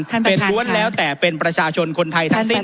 ท่านประธานค่ะเป็นร้วมแล้วแต่เป็นประชาชนคนไทยทั้งสิ้น